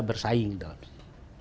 bersaing dalam situ